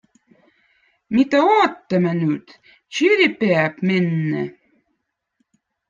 Mitä oottõmmõ nüt, čiire piäb menne.